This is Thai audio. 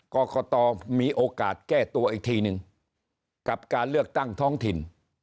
กรกตมีโอกาสแก้ตัวอีกทีนึงกับการเลือกตั้งท้องถิ่น